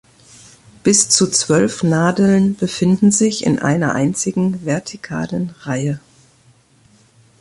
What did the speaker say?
Bis zu zwölf Nadeln befinden sich in einer einzigen vertikalen Reihe.